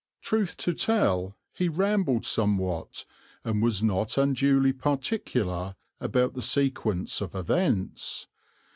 Truth to tell he rambled somewhat and was not unduly particular about the sequence of events.